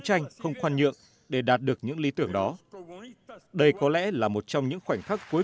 tranh không khoan nhượng để đạt được những lý tưởng đó đây có lẽ là một trong những khoảnh khắc cuối